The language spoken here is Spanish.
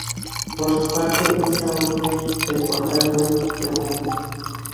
Por su parte Lisa Oliver del portal web Yahoo!